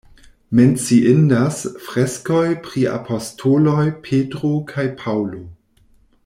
Menciindas freskoj pri apostoloj Petro kaj Paŭlo.